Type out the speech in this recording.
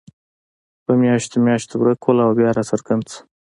په میاشتو میاشتو ورک وو او بیا راڅرګند شو.